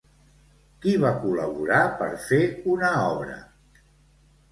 Qui va col·laborar per fer una obra?